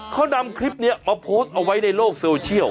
เขานำคลิปนี้มาโพสต์เอาไว้ในโลกโซเชียล